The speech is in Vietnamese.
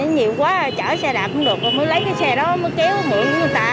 nhiều quá chở xe đạp cũng được mới lấy cái xe đó mới kéo mượn của người ta